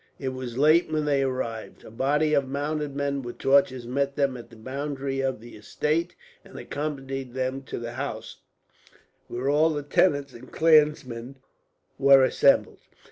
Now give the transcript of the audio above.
It was late when they arrived. A body of mounted men with torches met them, at the boundary of the estate; and accompanied them to the house, where all the tenants and clansmen were assembled.